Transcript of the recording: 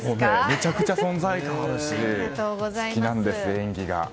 めちゃくちゃ存在感あるし好きなんです、演技が。